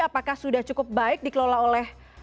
apakah sudah cukup baik dikelola oleh